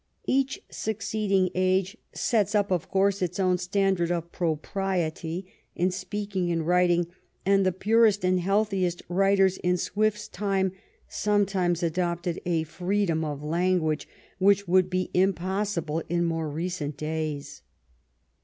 Each succeeding age sets up, of course, its own stand ard of propriety in speaking and writing, and the purest and healthiest writers in Swift's time some times adopted a freedom of language which would be impossible in more recent days.